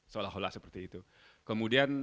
seolah olah seperti itu kemudian